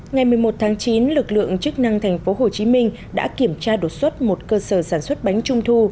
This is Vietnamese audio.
ngày một mươi một tháng chín lực lượng chức năng tp hcm đã kiểm tra đột xuất một cơ sở sản xuất bánh trung thu